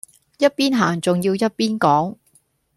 一邊行仲要一邊講